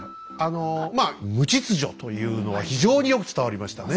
まあ無秩序というのは非常によく伝わりましたね。